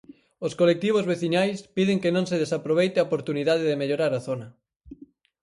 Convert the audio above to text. Os colectivos veciñais piden que non se desaproveite a oportunidade de mellorar a zona.